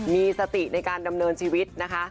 มีสติในการดำเนินชีวิตนะคะ